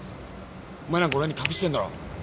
お前何か俺に隠してんだろ！